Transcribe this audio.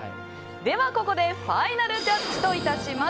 ここでファイナルジャッジといたします。